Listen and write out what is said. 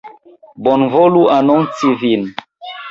Bonvolu anonci vin.